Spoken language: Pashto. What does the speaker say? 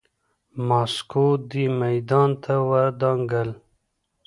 ماسکو دې میدان ته ودانګل.